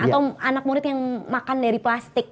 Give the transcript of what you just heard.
atau anak murid yang makan dari plastik